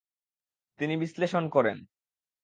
তিনি বিশ্লেষণ করেন ।